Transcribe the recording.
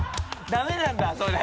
ダメなんだそれ。